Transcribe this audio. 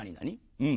うん。